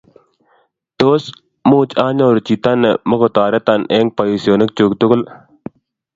tos much anyoru chito ne mukutoreton eng' boisionik chu tugul?